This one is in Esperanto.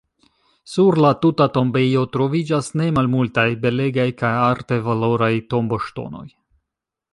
Sur la tuta tombejo troviĝas ne malmultaj belegaj kaj arte valoraj tomboŝtonoj.